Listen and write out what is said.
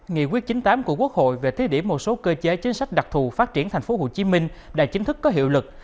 nghị quyết chín mươi tám của quốc hội về thế điểm một số cơ chế chính sách đặc thù phát triển thành phố hồ chí minh đã chính thức có hiệu lực